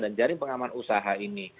dan jaring pengaman usaha ini